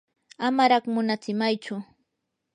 amaraq munatsimaychu.